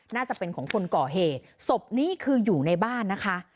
น่าจะเป็นของคนก่อเหตุศพนี้คืออยู่ในบ้านนะคะ